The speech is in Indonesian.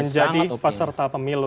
masih akan menjadi peserta pemilu